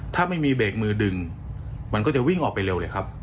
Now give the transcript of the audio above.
ถ้าไม่มีเบรกมือดึงมันก็จะวิ่งออกไปเร็วเลยครับ